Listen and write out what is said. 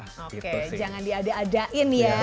oke jangan di ade adain ya